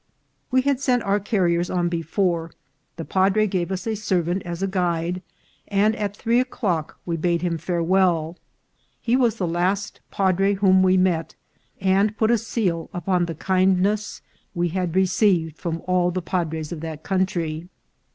We had sent our carriers on be LAS PLAYAS. 369 fore, the padre gave us a servant as a guide, and at three o'clock we bade him farewell. He was the last padre whom we met, and put a seal upon the kindness we had received from all the padres of that country.